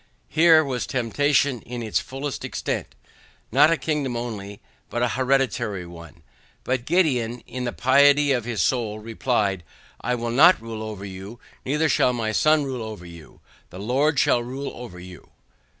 Here was temptation in its fullest extent; not a kingdom only, but an hereditary one, but Gideon in the piety of his soul replied, I WILL NOT RULE OVER YOU, NEITHER SHALL MY SON RULE OVER YOU. THE LORD SHALL RULE OVER YOU.